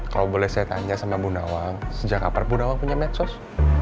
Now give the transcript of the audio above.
kalau boleh saya tanya sama bu nawang sejak kapan bu nawang punya medsos